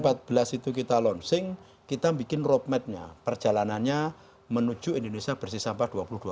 kita dua ribu empat belas itu kita launching kita bikin roadmap nya perjalanannya menuju indonesia bersih sampah dua ribu dua puluh